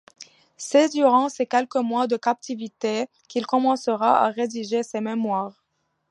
C'est durant ces quelques mois de captivité qu'il commencera à rédiger ses mémoires.